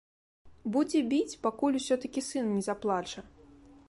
Будзе біць, пакуль усё-такі сын не заплача.